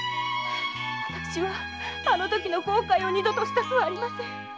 私はあのときの後悔を二度としたくありません。